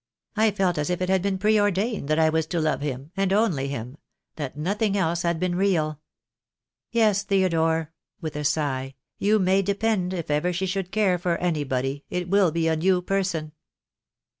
I felt as if it had been preordained that I THE DAY WILL COME. 299 was to love him, and only him — that nothing else had been real. Yes, Theodore," with a sigh, "you may de pend if ever she should care for anybody, it will be a new person."